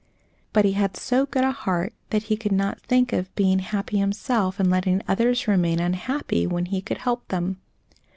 But he had so good a heart that he could not think of being happy himself and letting others remain unhappy, when he could help them.